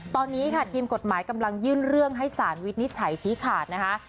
ตอนนี้ค่ะทีมกฎหมายกำลังยื่นเรื่องให้สารวินิจฉัยชี้ขาดนะคะ